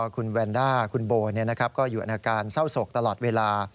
คุณแวนด้าคุณโบก็อยู่ในอาการเศร้าโศกตลอดเวลา